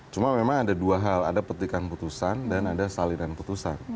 cuma memang ada dua hal ada petikan putusan dan ada salinan putusan